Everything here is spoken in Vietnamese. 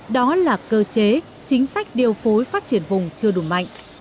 đó là cơ chế chính sách điều phối phát triển vùng chưa đủ mạnh